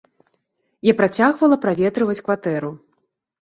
Я працягвала праветрываць кватэру.